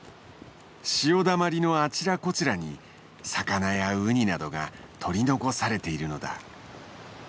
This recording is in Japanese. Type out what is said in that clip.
潮だまりのあちらこちらに魚やウニなどが取り残されているのだ。